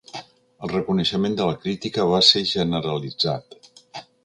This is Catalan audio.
El reconeixement de la crítica va ser generalitzat.